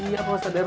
iya pak ustadz rw